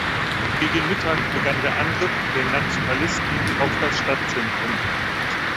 Gegen Mittag begann der Angriff der Nationalisten auf das Stadtzentrum.